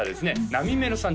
なみめろさん